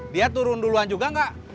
dia turun duluan juga nggak